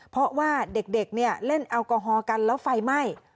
เพราะว่าเด็กเนี่ยเล่นแอลกอฮอล์กันแล้วไฟไหม้